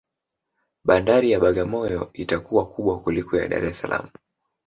bandari ya bagamoyo itakuwa kubwa kuliko ya dar es salaam